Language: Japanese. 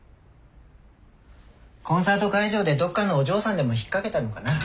コンサート会場でどっかのお嬢さんでもひっかけたのかな？